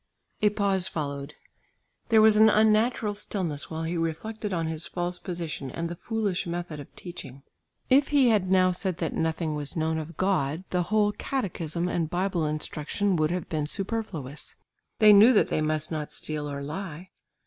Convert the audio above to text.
A pause followed. There was an unnatural stillness while he reflected on his false position and the foolish method of teaching. If he had now said that nothing was known of God, the whole catechism and Bible instruction would have been superfluous. They knew that they must not steal or lie.